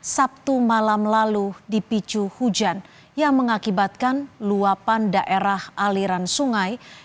sabtu malam lalu dipicu hujan yang mengakibatkan luapan daerah aliran sungai